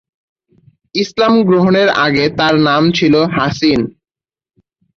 ইসলাম গ্রহণের আগে তার নাম ছিল হাছিন।